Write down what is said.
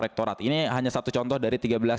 rektorat ini hanya satu contoh dari